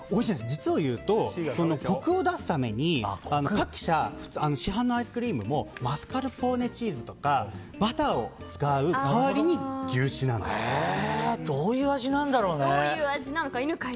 実をいうと、コクを出すために各社、市販のアイスクリームもマスカルポーネチーズとかバターを使う代わりにどういう味なんだろう。